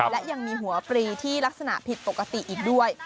และยังมีหัวปรีที่ลักษณะผิดปกติอีกด้วย